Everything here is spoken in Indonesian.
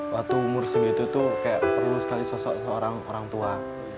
waktu umur segitu tuh kayak perlu sekali sosok seorang orang tua